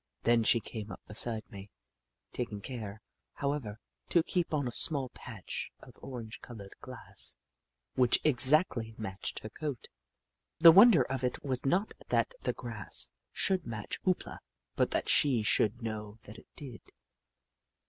Then she came up beside me, taking care, however, to keep on a small patch of orange coloured grass which exactly matched her coat. The wonder of it was not that the grass should match Hoop La, but that she should know that it did.